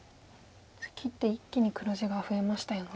切って一気に黒地が増えましたよね。